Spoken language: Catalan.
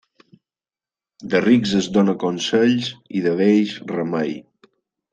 De rics es dóna consells i de vells remei.